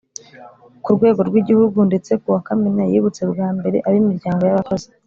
ku rwego rw Igihugu ndetse kuwa Kamena yibutse bwa mbere ab imiryango y abakozi